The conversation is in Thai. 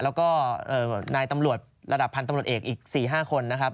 แล้วก็นายตำรวจระดับพันธุ์ตำรวจเอกอีก๔๕คนนะครับ